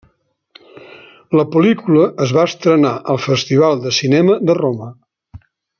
La pel·lícula es va estrenar al Festival de Cinema de Roma.